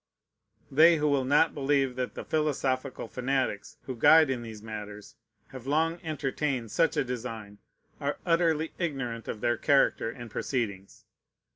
They who will not believe that the philosophical fanatics who guide in these matters have long entertained such a design are utterly ignorant of their character and proceedings.